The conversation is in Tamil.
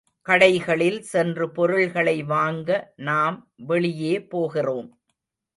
கடைகளில் சென்று பொருள்களை வாங்க நாம் வெளியே போகிறோம்.